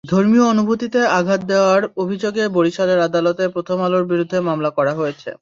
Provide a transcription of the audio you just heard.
ধর্মীয় অনুভূতিতে আঘাত দেওয়ার অভিযোগে বরিশালের আদালতে প্রথম আলোর বিরুদ্ধে মামলা করা হয়েছে।